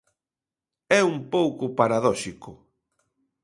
É un pouco paradóxico.